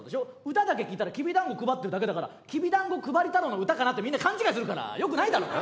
歌だけ聴いたらきび団子配ってるだけだから「きび団子配り太郎」の歌かなってみんな勘違いするからよくないだろ。